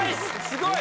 すごい！